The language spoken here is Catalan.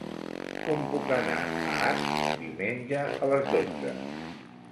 Com puc anar a Asp diumenge a les dotze?